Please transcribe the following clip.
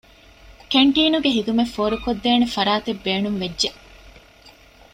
ކެންޓީނުގެ ޚިދުމަތް ފޯރުކޮށްދޭނެ ފަރާތެއް ބޭނުންވެއްޖެ